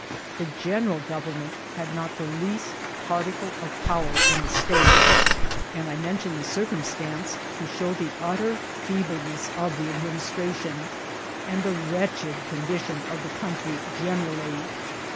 The general government had not the least particle of power in the state, and I mention the cir^ Vol. L— Dd SIO INCIDIlfTf OP TRATIL. cmnstanoe to show the utter feebieness of the admui istration, and the wretched condition of the eoentry generally.